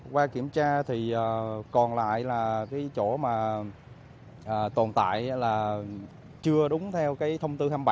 qua kiểm tra thì còn lại là cái chỗ mà tồn tại là chưa đúng theo cái thông tư hai mươi bảy